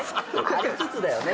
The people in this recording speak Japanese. ありつつだよね。